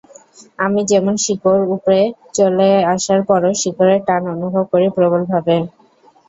আমি যেমন শিকড় ওপরে চলে আসার পরও শিকড়ের টান অনুভব করি প্রবলভাবে।